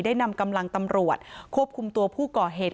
นำกำลังตำรวจควบคุมตัวผู้ก่อเหตุ